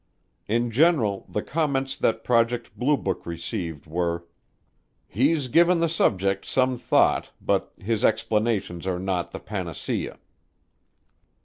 In general the comments that Project Blue Book received were, "He's given the subject some thought but his explanations are not the panacea."